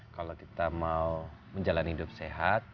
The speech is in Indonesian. kalau kita mau menjalani hidup sehat